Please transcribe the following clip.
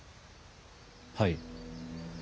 はい。